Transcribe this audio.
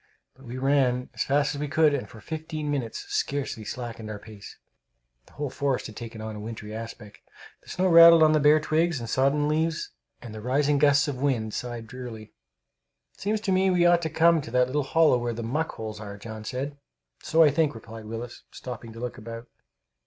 But we ran as fast as we could, and for fifteen minutes scarcely slackened our pace. The whole forest had taken on a wintry aspect. The snow rattled on the bare twigs and sodden leaves, and the rising gusts of wind sighed drearily. "It seems to me we ought to come to that little hollow where the muck holes are," John said. "So I think," replied Willis, stopping to look about.